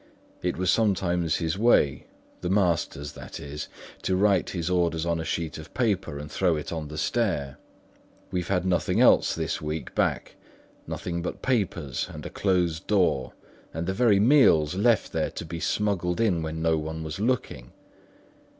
It was sometimes his way—the master's, that is—to write his orders on a sheet of paper and throw it on the stair. We've had nothing else this week back; nothing but papers, and a closed door, and the very meals left there to be smuggled in when nobody was looking.